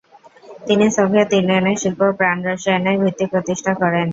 তিনি সোভিয়েত ইউনিয়নে শিল্প প্রাণরসায়নের ভিত্তি প্রতিষ্ঠা করেন।